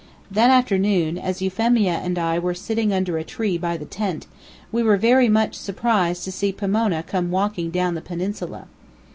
That afternoon, as Euphemia and I were sitting under a tree by the tent, we were very much surprised to see Pomona come walking down the peninsula.